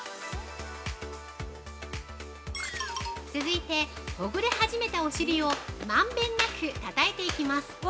続いて、ほぐれ始めたお尻を満遍なく、たたいていきます。